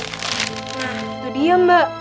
nah itu dia mbak